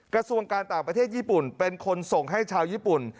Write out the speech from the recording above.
กระทรวงการต่างประเทศญี่ปุ่นเป็นคนส่งให้ชาวญี่ปุ่น